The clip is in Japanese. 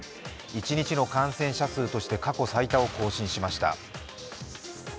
一日の感染者数として過去最多を更新しました。